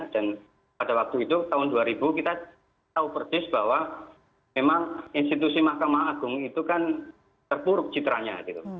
dan pada waktu itu tahun dua ribu kita tahu berdis bahwa memang institusi mahkamah agung itu kan terpuruk citranya